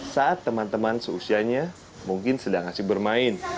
saat teman teman seusianya mungkin sedang asyik bermain